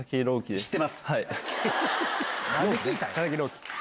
何で聞いたん？